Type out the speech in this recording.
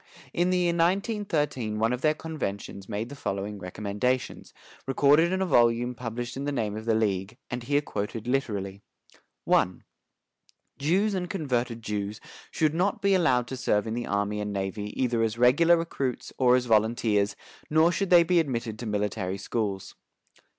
In the year 1913 one of their conventions made the following recommendations, recorded in a volume published in the name of the league, and here quoted literally: "I. Jews and converted Jews should not be allowed to serve in the army and navy either as regular recruits or as volunteers, nor should they be admitted to military schools.